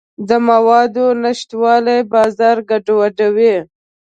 د موادو نشتوالی بازار ګډوډوي.